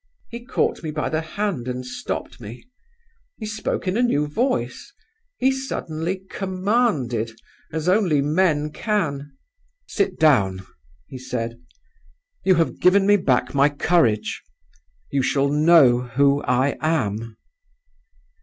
"He caught me by the hand and stopped me. He spoke in a new voice; he suddenly commanded, as only men can. "'Sit down,' he said. 'You have given me back my courage you shall know who I am.